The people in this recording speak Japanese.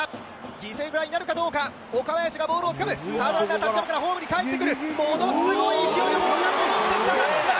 犠牲フライになるかどうか岡林がボールをつかむサードランナータッチアップからホームに帰ってくるものすごい勢いのボールが戻ってきたジャッジは？